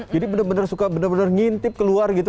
jadi benar benar suka benar benar ngintip keluar gitu